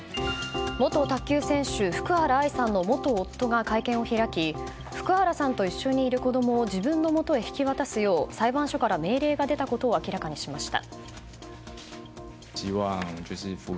元卓球選手、福原愛さんの元夫が会見を開き福原さんと一緒にいる子供を自分のもとへ引き渡すよう裁判所から命令が出たことを明らかにしました。